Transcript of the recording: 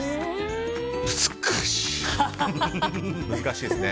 難しい。